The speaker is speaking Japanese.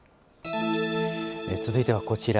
続いてはこちら。